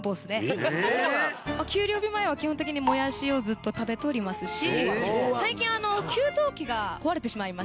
給料日前は基本的にもやしをずっと食べておりますし。